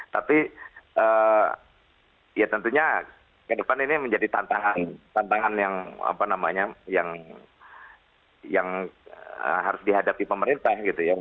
tapi ya tentunya ke depan ini menjadi tantangan yang harus dihadapi pemerintah gitu ya